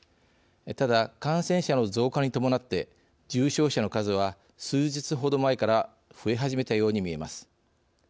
ただ、感染者の増加に伴って重症者の数が数日ほど前から増え始めたように見えます。